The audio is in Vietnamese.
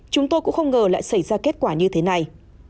chúng tôi cũng không ngờ lại xảy ra kết quả như thế này